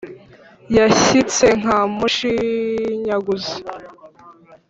yashyitse nka mushinyaguzi